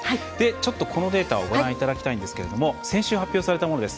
ちょっとこのデータをご覧いただきたいんですけれども先週発表されたものです。